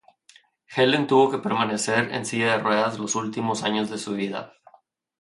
Helen tuvo que permanecer en silla de ruedas los últimos años de su vida.